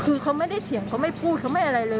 คือเขาไม่ได้เถียงเขาไม่พูดเขาไม่อะไรเลย